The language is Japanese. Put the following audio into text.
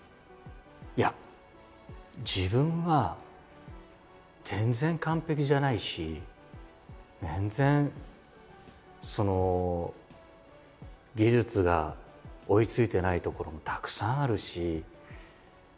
いや自分は全然完璧じゃないし全然その技術が追いついてないところもたくさんあるし。